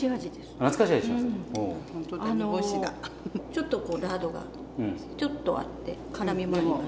ちょっとこうラードがちょっとあってからみもあります。